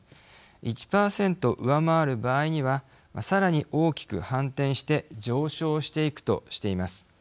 １％上回る場合にはさらに大きく反転して上昇していくとしています。